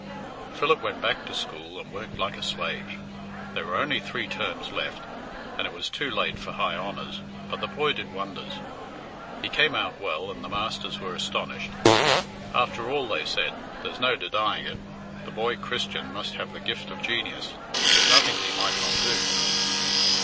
Philip went back to school and worked like a slave. There were only three terms left, and it was too late for high honours, but the boy did wonders. He came out well, and the masters were astonished. "After all," they said, "there's no denying it, the boy Christian must have the gift of genius. There's nothing he might not do."